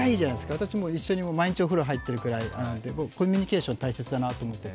私も一緒に毎日、お風呂入ってるくらいコミュニケーション大切だなと思ってて。